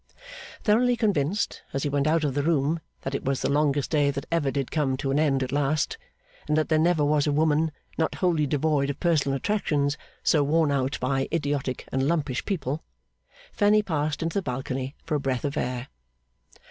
Thoroughly convinced, as he went out of the room, that it was the longest day that ever did come to an end at last, and that there never was a woman, not wholly devoid of personal attractions, so worn out by idiotic and lumpish people, Fanny passed into the balcony for a breath of air.